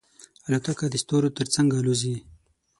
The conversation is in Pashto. الوتکه د ستورو تر څنګ الوزي.